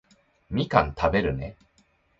みかん食べるね